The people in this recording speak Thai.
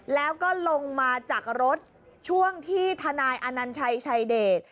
แล้วก็ลงมาจากรถช่วงที่ทนายอนัญชัยชายเดช